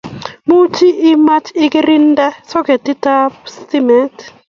much imache ikirinde soketit ab stimet